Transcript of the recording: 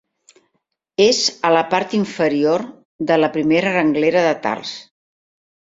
És a la part inferior de la primera renglera del tars.